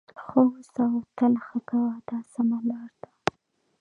ښه اوسه او تل ښه کوه دا سمه لار ده.